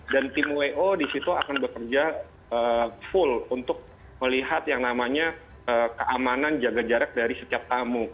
dan tim w o disitu akan bekerja full untuk melihat yang namanya keamanan jaga jarak dari setiap tamu